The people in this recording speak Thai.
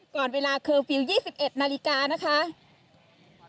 ก่อนเวลาเคอร์ฟิลล์๒๑นาฬิกานะคะ